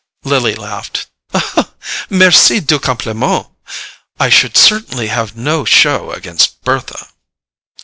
Lily laughed. "MERCI DU COMPLIMENT! I should certainly have no show against Bertha."